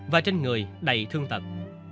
và trên người đầy thương tật